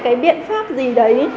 cái biện pháp gì đấy